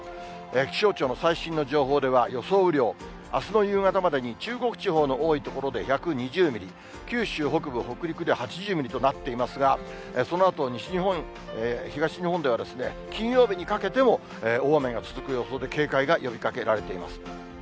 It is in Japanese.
気象庁の最新の情報では、予想雨量、あすの夕方までに、中国地方の多い所で１２０ミリ、九州北部、北陸で８０ミリとなっていますが、そのあと、西日本、東日本では、金曜日にかけても大雨が続く予想で、警戒が呼びかけられています。